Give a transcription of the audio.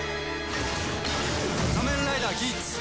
『仮面ライダーギーツ』！